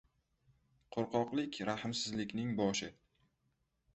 Qo‘rqoqlik — rahmsizlikning boshi.